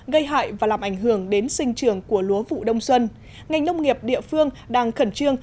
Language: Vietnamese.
gây hại và làm ảnh hưởng đến sinh trường của lúa vụ đông xuân ngành nông nghiệp địa phương đang khẩn trương